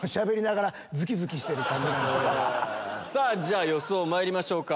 じゃ予想まいりましょうか。